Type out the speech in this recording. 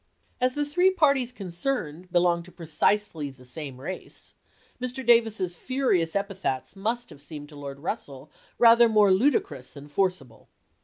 As the three parties concerned belong to precisely the same race, Mr. Davis's furious epithets must have seemed to Lord Russell rather more ludicrous than forcible.